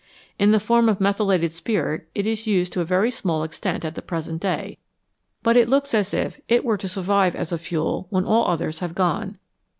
In the form of methylated spirit it is used to a very small extent at the present day, but it looks as if it were to survive as a fuel when all others have gone.